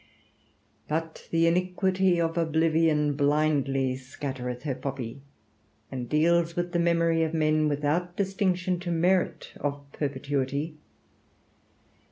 But the iniquity of oblivion blindly scattereth her poppy, and deals with the memory of men without distinction to merit of perpetuity.